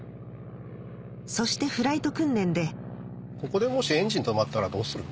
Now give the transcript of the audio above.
そしてフライト訓練でここでもしエンジン止まったらどうする？